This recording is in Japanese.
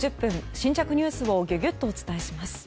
新着ニュースをギュギュッとお伝えします。